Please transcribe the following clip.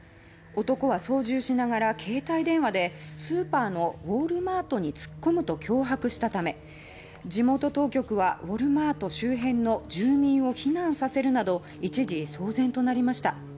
男は操縦しながら携帯電話でスーパーのウォルマートに突っ込むと脅迫したため地元当局はウォルマート周辺の住民を避難させるなど一時騒然となりました。